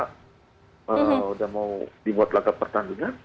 kalau sudah mau dibuat lagap pertandungan